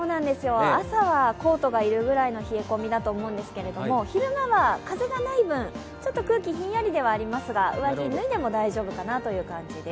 朝はコートが要るくらいの冷え込みだと思うんですけれども昼間は風がない分、ちょっと空気ひんやりではありますが上着を脱いでも大丈夫かなという感じです。